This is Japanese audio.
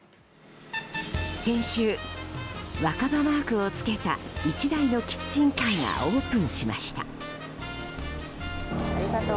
先週、若葉マークを付けた１台のキッチンカーがオープンしました。